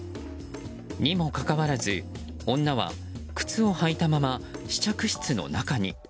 にもかかわらず女は靴を履いたまま試着室の中に。